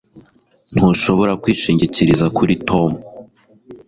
Ntushobora kwishingikiriza kuri Tom